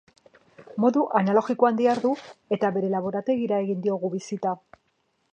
Modu analogikoan dihardu eta bere laborategira egin diogu bisita.